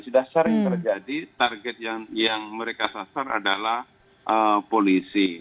sudah sering terjadi target yang mereka sasar adalah polisi